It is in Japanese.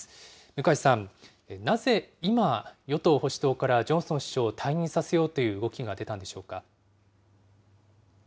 向井さん、なぜ今、与党・保守党から、ジョンソン首相を退任させようという動きが出たんでしょうか。